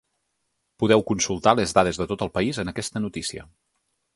Podeu consultar les dades de tot el país en aquesta notícia.